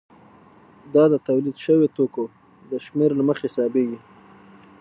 دا د تولید شویو توکو د شمېر له مخې حسابېږي